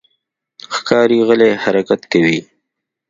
ښکاري غلی حرکت کوي.